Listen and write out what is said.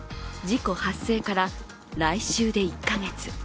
事故発生から来週で１か月。